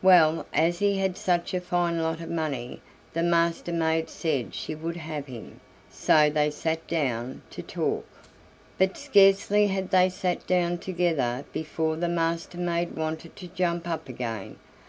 Well, as he had such a fine lot of money, the Master maid said she would have him, so they sat down to talk. But scarcely had they sat down together before the Master maid wanted to jump up again.